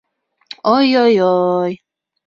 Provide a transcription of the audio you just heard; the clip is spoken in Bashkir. Ой-ой-ой!